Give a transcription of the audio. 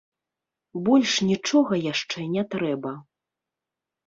Больш нічога яшчэ не трэба.